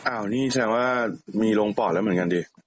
อ้าวนี้สัญญาว่ามีลงปอล์ดแล้วเหมือนกันสิ